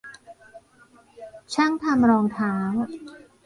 ช่างทำรองเท้า